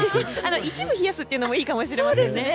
一部冷やすというのもいいかもしれませんね。